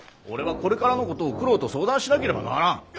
俺はこれからのことを九郎と相談しなければならん。